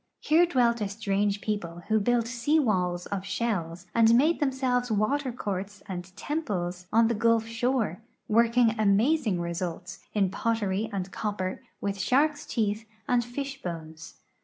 Here dwelt a strange people who built sea walls of shells ajid made themselves water courts and temples on the gulf shore, working amazing results, in potteiy and cop ])cr, with shark's teeth and fish bones.